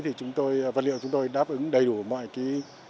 thì vật liệu chúng tôi đáp ứng đầy đủ mọi cái